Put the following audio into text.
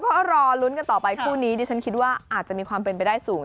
เดี๋ยวเราก็รอลุ้นกันต่อไปคู่นี้ผมคิดว่าอาจจะมีความเป็นไปได้สูง